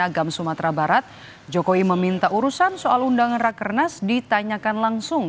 agama sumatera barat jokowi meminta urusan soal undangan rakernas ditanyakan langsung